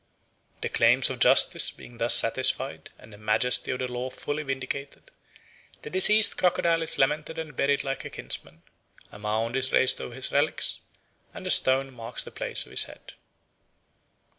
The claims of justice being thus satisfied and the majesty of the law fully vindicated, the deceased crocodile is lamented and buried like a kinsman; a mound is raised over his relics and a stone marks the place of his head.